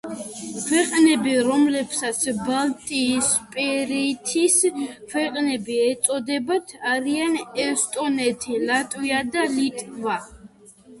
ქვეყნები რომლებსაც ბალტიისპირეთის ქვეყნები ეწოდებათ არიან: ესტონეთი, ლატვია და ლიტვა.